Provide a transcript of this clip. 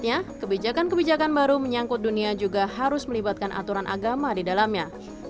artinya kebijakan kebijakan baru menyangkut dunia juga harus melibatkan aturan agama di dalamnya